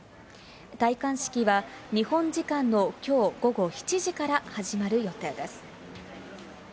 戴冠式は日本時間の今日午後７時から始まる予定です。